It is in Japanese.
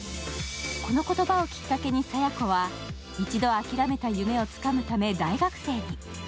この言葉をきっかけに佐弥子は一度諦めた夢をつかむため大学生に。